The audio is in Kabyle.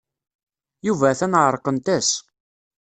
Yuba atan ɛerqent-as.